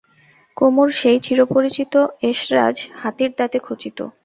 কুমুর সেই চিরপরিচিত এসরাজ, হাতির দাঁতে খচিত।